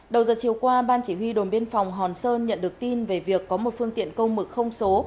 đầu giờ chiều qua ban chỉ huy đồn biên phòng hòn sơn nhận được tin về việc có một phương tiện công mực không số